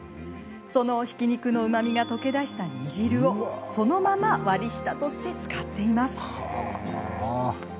そのひき肉のうまみが溶け出した煮汁をそのまま割り下として使っています。